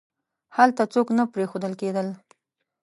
هلته څوک نه پریښودل کېدل.